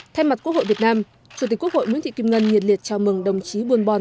thay mặt quốc hội việt nam chủ tịch quốc hội nguyễn thị kim ngân nhiệt liệt chào mừng đồng chí buôn bon